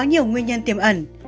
nguyên nhân tiềm ẩn